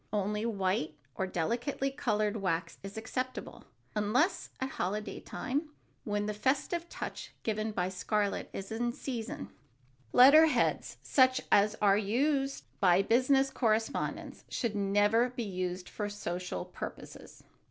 Only white or delicately colored wax is acceptable, unless at holiday time, when the festive touch given by scarlet is in season. Letter heads, such as are used for business correspondence, should never be used for social purposes.